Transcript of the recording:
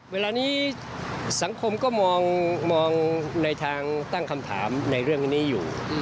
เวลานี้สังคมก็มองในทางตั้งคำถามในเรื่องนี้อยู่